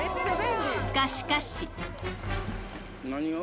が、しかし。